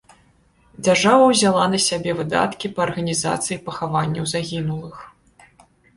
Дзяржава ўзяла на сябе выдаткі па арганізацыі пахаванняў загінулых.